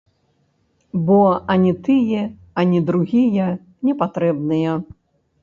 Бо ані тыя, ані другія не патрэбныя.